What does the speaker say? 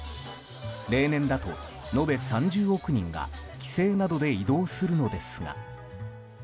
例年だと延べ３０億人が帰省などで移動するのですが。